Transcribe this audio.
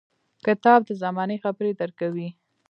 • کتاب د زمانې خبرې درکوي.